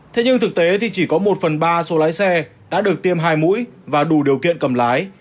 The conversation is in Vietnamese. thế nhưng thực tế thì chỉ có một phần ba số lái xe đã được tiêm hai mũi và đủ điều kiện cầm lái